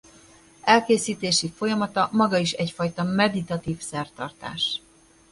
Elkészítési folyamata maga is egyfajta meditatív szertartás.